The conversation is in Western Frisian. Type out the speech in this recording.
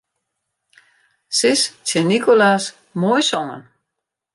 Sis tsjin Nicolas: Moai songen.